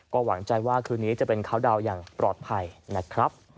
ก็หวังใจว่าคืนนี้จะเป็นเขาดาวน์อย่างปลอดภัยนะครับ